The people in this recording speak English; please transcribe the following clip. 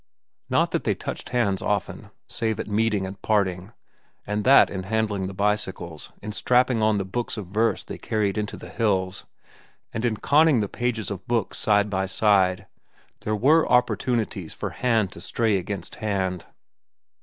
Not that they touched hands often, save at meeting and parting; but that in handling the bicycles, in strapping on the books of verse they carried into the hills, and in conning the pages of books side by side, there were opportunities for hand to stray against hand.